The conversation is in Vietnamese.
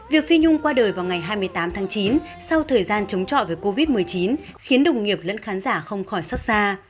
việc phi nhung qua đời vào ngày hai mươi tám tháng chín sau thời gian chống chọi với covid một mươi chín khiến đồng nghiệp lẫn khán giả không khỏi xót xa